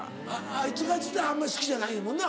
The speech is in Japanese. あいつがあんまり好きじゃないもんな。